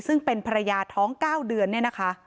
ซึ่งเป็นภรรยาท้อง๙เดือน